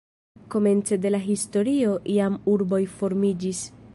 Komence de la historio jam urboj formiĝis.